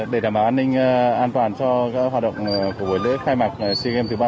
để đảm bảo an ninh an toàn cho các hoạt động của buổi lễ khai mạc sea games thứ ba mươi một